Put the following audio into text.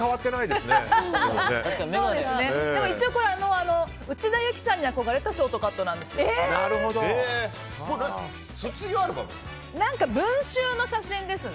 でも一応これは内田有紀さんに憧れたショートカットなんです。